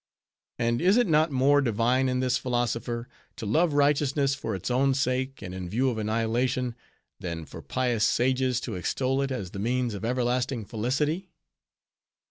And is it not more divine in this philosopher, to love righteousness for its own sake, and in view of annihilation, than for pious sages to extol it as the means of everlasting felicity?"